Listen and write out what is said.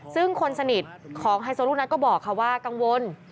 ซึ่งคนสนิทของไฮโซลูกนัทก็บอกค่ะว่ากังวล